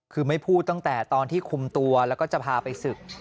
คือไม่พูดตั้งแต่ตอนที่คุมตัวแล้วก็จะพาไปศึก